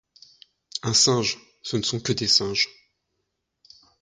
Un singe ! ce ne sont que des singes.